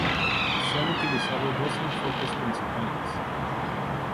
Se han utilizado dos enfoques principales.